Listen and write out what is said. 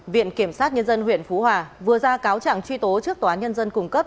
viện kiểm sát nhân dân huyện phú hòa vừa ra cáo trạng truy tố trước tòa nhân dân cung cấp